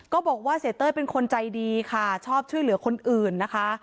ก็บอกว่าเสียเต้ยเป็นคนใจดีค่ะชอบช่วยเหลือคนอื่นนะคะ